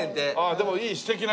でもいい素敵な色。